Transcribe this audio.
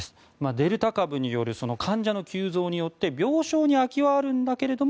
デルタ株による患者の急増によって病床に空きはあるんだけれども